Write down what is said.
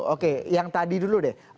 oke yang tadi dulu deh